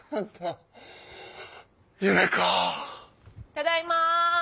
ただいま。